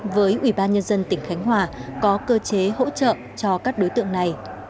với ủy ban nhân dân tỉnh khánh hòa có cơ chế hỗ trợ cho các đối tượng này